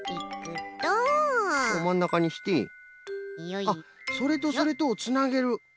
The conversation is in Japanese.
あっそれとそれとをつなげる！